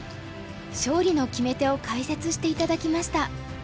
勝利の決め手を解説して頂きました。